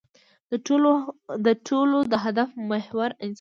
د ټولو د هدف محور انساني دی.